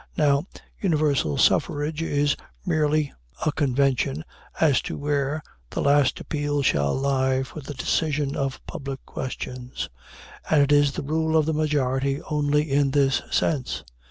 Now, universal suffrage is merely a convention as to where the last appeal shall lie for the decision of public questions; and it is the rule of the majority only in this sense.